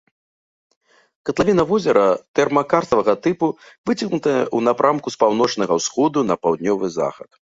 Катлавіна возера тэрмакарставага тыпу, выцягнутая ў напрамку з паўночнага ўсходу на паўднёвы захад.